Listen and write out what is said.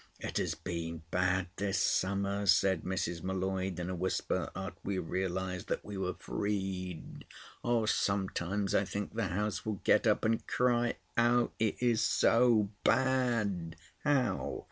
"It has been bad this summer," said Mrs. M'Leod in a whisper after we realised that we were freed. "Sometimes I think the house will get up and cry out—it is so bad." "How?"